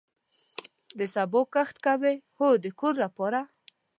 د سبو کښت کوئ؟ هو، د کور لپاره